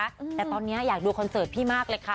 แต่ตอนนี้อยากดูคอนเสิร์ตพี่มากเลยค่ะ